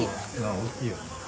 大きいよ。